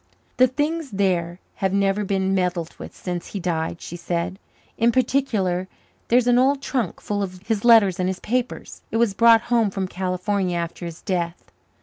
"The things there have never been meddled with since he died," she said. "In particular, there's an old trunk full of his letters and his papers. It was brought home from California after his death.